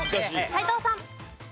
斎藤さん。